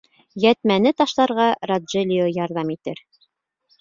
Йәтмәне ташларға Роджелио ярҙам итер.